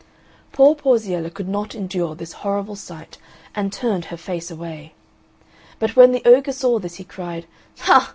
Poor Porziella could not endure this horrible sight and turned her face away. But when the ogre saw this he cried, "Ha!